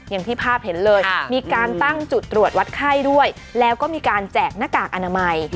อย่างที่ภาพเห็นเลยมีการตั้งจุดตรวจวัดไข้ด้วยแล้วก็มีการแจกหน้ากากอนามัย